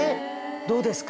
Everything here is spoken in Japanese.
どうですか？